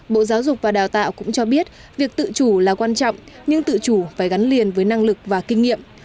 bộ giáo dục và đào tạo cũng cho biết việc tự chủ là quan trọng nhưng tự chủ phải gắn liền với năng lực và kinh nghiệm